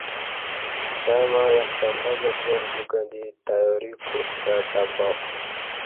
ستمع یک شنبہ گرجار دیوکہ دی تیاری کوستہ تہ بہ